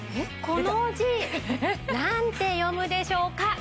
この字なんて読むでしょうか？